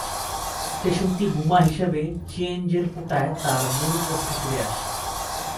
স্টেশনটি বুমা হিসেবে চিয়েঞ্জের পুটায় তার মূল পোস্টে ফিরে আসে।